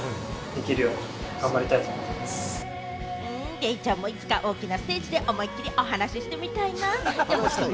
デイちゃんもいつか大きなステージで思いっきりお話してみたいな。